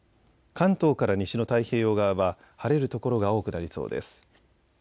関東から西の太平洋側は晴れる所が多くなりそうです。